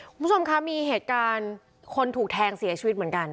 คุณผู้ชมคะมีเหตุการณ์คนถูกแทงเสียชีวิตเหมือนกัน